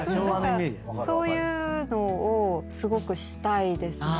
そういうのをすごくしたいですね